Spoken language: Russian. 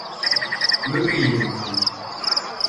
Мы приедем к вам.